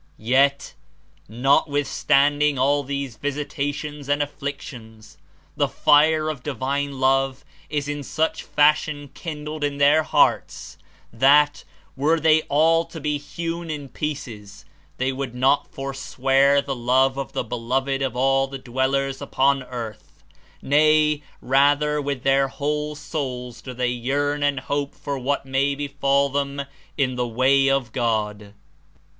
''Yet, notwithstanding all these visitations and afflictions, the fire of divine love is in such fashion kindled in their hearts that, were they all to be hewn in pieces, they would not forswear the love of the Beloved of all the dwellers upon earth; nay, rather with their whole souls do they yearn and hope for what may befall them in the way of God."